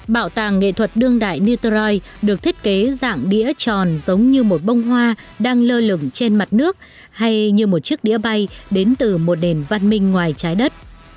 bảo tàng nghệ thuật đương đại nitroid được thiết kế dạng đĩa tròn giống như một bông hoa đang lơ lửng trên mặt nước hay như một chiếc đĩa bay đến từ một nền văn minh ngoài trái đất